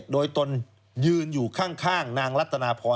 โดยตนยืนอยู่ข้างนางรัตนาพร